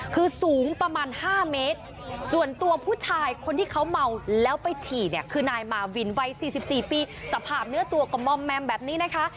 คือสูงประมาณ๕เมตรส่วนตัวผู้ชายคนที่เขาเมาแล้วไปฉี่เนี่ยคือนายมาวินวัย๔๔ปีสภาพเนื้อตัวก็มอมแมมแบบนี้นะคะ